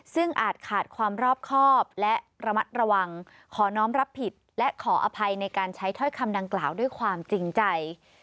ซึ่งอาจขาดความรอบครอบและระมัดระวังขอน้องรับผิดและขออภัยในการใช้ถ้อยคำดังกล่าวด้วยความจริงใจ